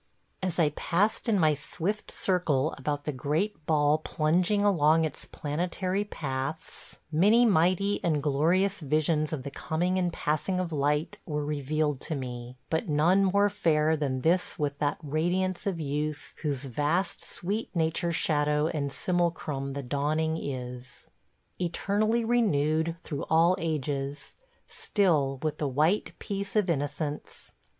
... As I passed in my swift circle about the great ball plunging along its planetary paths, many mighty and glorious visions of the coming and passing of light were revealed to me; but none more fair than this with that radiance of youth, whose vast, sweet nature shadow and simulacrum the dawning is. ... Eternally renewed, through all ages. .. still, with the white peace of innocence